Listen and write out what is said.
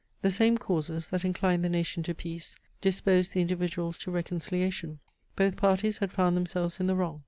The same causes, that inclined the nation to peace, disposed the individuals to reconciliation. Both parties had found themselves in the wrong.